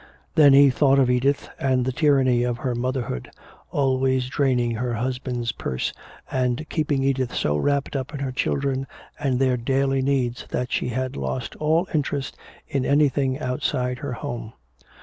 Then he thought of Edith and the tyranny of her motherhood, always draining her husband's purse and keeping Edith so wrapt up in her children and their daily needs that she had lost all interest in anything outside her home.